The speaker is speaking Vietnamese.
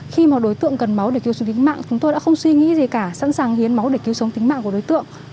khi mà đối tượng cần máu để cứu sống tính mạng chúng tôi đã không suy nghĩ gì cả sẵn sàng hiến máu để cứu sống tính mạng của đối tượng